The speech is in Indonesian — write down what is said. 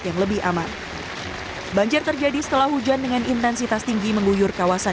yang lebih aman banjir terjadi setelah hujan dengan intensitas tinggi mengguyur kawasan